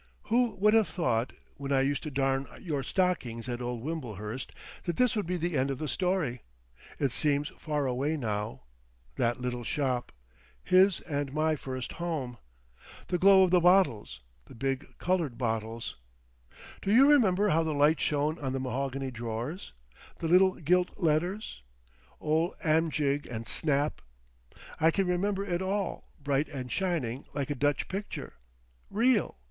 "Who would have thought, when I used to darn your stockings at old Wimblehurst, that this would be the end of the story? It seems far away now—that little shop, his and my first home. The glow of the bottles, the big coloured bottles! Do you remember how the light shone on the mahogany drawers? The little gilt letters! Ol Amjig, and S'nap! I can remember it all—bright and shining—like a Dutch picture. Real!